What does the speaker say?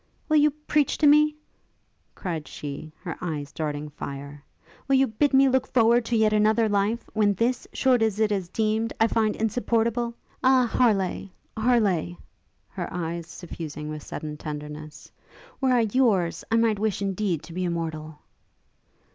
'Will you preach to me?' cried she, her eyes darting fire; 'will you bid me look forward to yet another life, when this, short as it is deemed, I find insupportable? Ah, Harleigh! Harleigh!' her eyes suffusing with sudden tenderness; 'were I your's I might wish indeed to be immortal!'